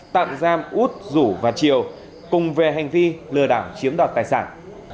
tạm giam út dũ và triều cùng về hành vi lừa đảo chiếm đoạt tài sản